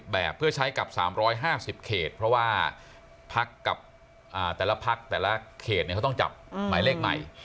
แบบเพื่อใช้กับ๓๕๐เขตเพราะว่าพักกับแต่ละพักแต่ละเขตเขาต้องจับหมายเลขใหม่